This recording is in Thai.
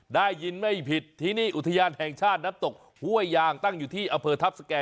ได้ยินไม่ผิดที่นี่อุทยานแห่งชาติน้ำตกห้วยยางตั้งอยู่ที่อำเภอทัพสแก่